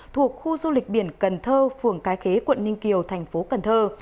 thuộc khu du lịch biển cần thơ phường cái khế quận ninh kiều thành phố cần thơ